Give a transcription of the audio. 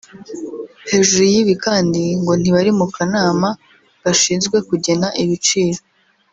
hejuru y’ibi kandi ngo ntibari mu kanama gashinzwe kugena ibiciro